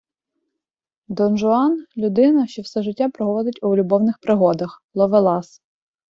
Дон-Жуан - людина, що все життя проводить у любовних пригодах, ловелас